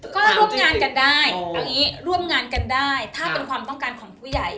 ก็ร่วมงานกันได้ถ้าเป็นความต้องการของผู้ใหญ่